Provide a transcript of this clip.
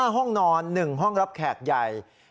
ห้องนอน๑ห้องรับแขกใหญ่